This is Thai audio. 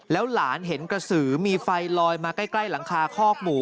หลานเห็นกระสือมีไฟลอยมาใกล้หลังคาคอกหมู